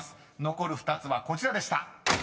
［残る２つはこちらでした］